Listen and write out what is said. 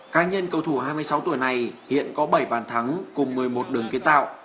cá nhân cầu thủ hai mươi sáu tuổi này hiện có bảy bàn thắng cùng một mươi một đường kiến tạo